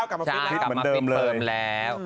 กลับมาฟิตแล้ว